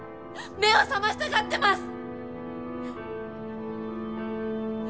目を覚ましたがってます！